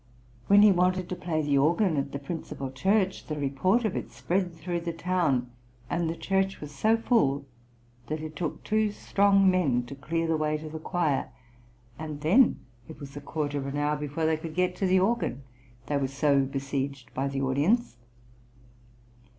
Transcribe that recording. When he wanted to play the organ at the principal church, the report of it spread through {THE ITALIAN TOUR.} (108) the town, and the church was so full that it took two strong men to clear the way to the choir, and then it was a quarter of an hour before they could get to the organ, they were so besieged by the audience.